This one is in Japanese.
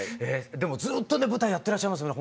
でもずっと舞台やってらっしゃいますね。